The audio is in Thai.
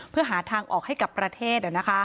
เพื่อหาทางออกให้กับประเทศ